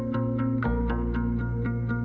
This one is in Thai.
พวกมันกำลังพูดได้